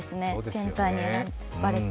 センターに選ばれて。